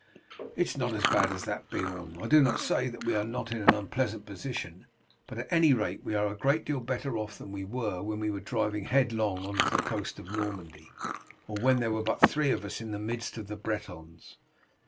"It is not so bad as that, Beorn. I do not say that we are not in an unpleasant position, but at any rate we are a great deal better off than we were when we were driving headlong on to the coast of Normandy, or when there were but three of us in the midst of the Bretons.